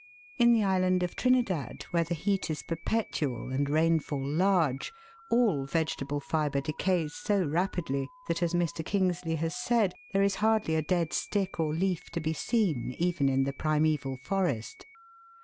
In the island of Trinidad, where the heat is perpetual and rainfall large, all vegetable fibre decays so rapidly that, as Mr. Kingsley has said, there is hardly a dead stick or leaf to be seen even in the primaeval forest.